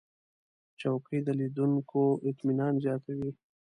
چوکۍ د لیدونکو اطمینان زیاتوي.